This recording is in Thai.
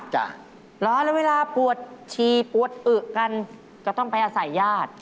เหรอแล้วเวลาปวดชีปวดอึกันก็ต้องไปอาศัยญาติ